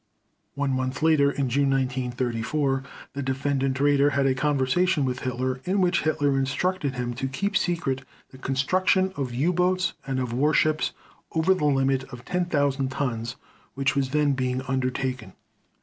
One month later, in June 1934, the Defendant Raeder had a conversation with Hitler in which Hitler instructed him to keep secret the construction of U boats and of warships over the limit of 10,000 tons which was then being undertaken.